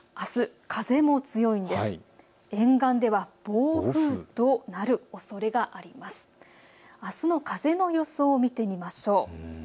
あすの風の予想を見てみましょう。